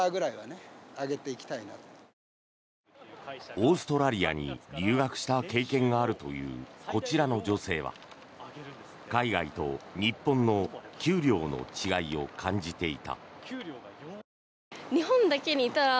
オーストラリアに留学した経験があるというこちらの女性は海外と日本の給料の違いを感じていた。